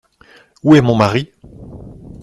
Où est mon mari ?